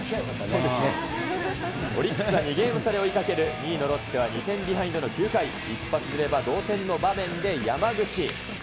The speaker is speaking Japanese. オリックスは２ゲーム差で追いかける２位のロッテは２点ビハインドの９回、一発出れば同点の場面で山口。